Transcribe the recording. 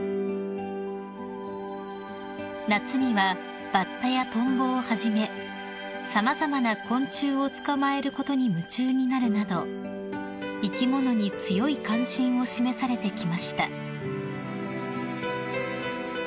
［夏にはバッタやトンボをはじめ様々な昆虫を捕まえることに夢中になるなど生き物に強い関心を示されてきました］